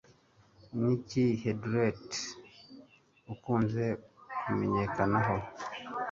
Niki Hydrated Ikunze Kumenyekanaho